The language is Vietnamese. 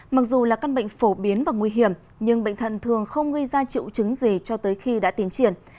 mặc dù là căn bệnh phổ biến và nguy hiểm nhưng bệnh thận thường không gây ra triệu chứng gì cho tới khi đã tiến triển